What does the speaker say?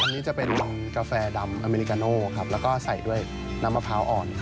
อันนี้จะเป็นกาแฟดำอเมริกาโน่ครับแล้วก็ใส่ด้วยน้ำมะพร้าวอ่อน